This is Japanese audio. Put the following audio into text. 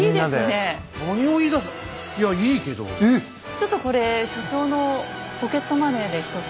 ちょっとこれ所長のポケットマネーでひとつ。